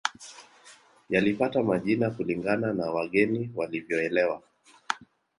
Yalipata majina kulingana na wageni walivyoelewa